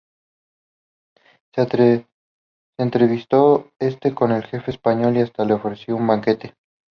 Se entrevistó este con el Jefe español y hasta le ofreció un banquete.